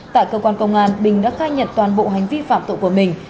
tại cơ quan công an bình đã khai nhận toàn bộ hành vi phạm tội của mình